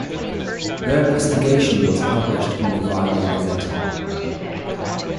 Their investigation was published in "Novaya Gazeta".